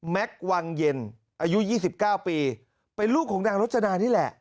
วังเย็นอายุ๒๙ปีเป็นลูกของนางรจนานี่แหละ